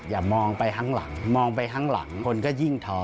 อย่ามองไปข้างหลังมองไปข้างหลังคนก็ยิ่งท้อ